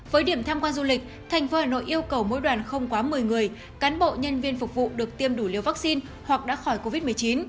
với điểm tham quan du lịch thành phố hà nội yêu cầu mỗi đoàn không quá một mươi người cán bộ nhân viên phục vụ được tiêm đủ liều vaccine hoặc đã khỏi covid một mươi chín